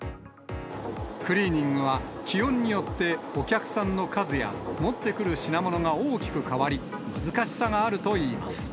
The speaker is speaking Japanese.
クリーニングは気温によってお客さんの数や持ってくる品物が大きく変わり、難しさがあるといいます。